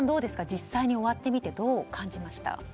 実際に終わってみてどう感じました？